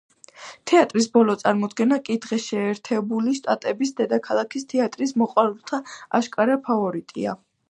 თეატრის ბოლო წარმოდგენა კი დღეს შეერთებული შტატების დედაქალაქის თეატრის მოყვარულთა აშკარა ფავორიტია.